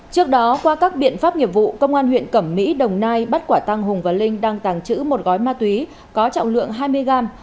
trước đó qua các biện pháp nghiệp vụ công an huyện cẩm mỹ đồng nai bắt quả tăng hùng và linh đang tàng trữ một gói ma túy có trọng lượng hai mươi gram